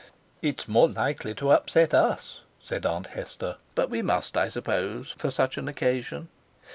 "It's more likely to upset us," said Aunt Nester. "But we must, I suppose; for such an occasion."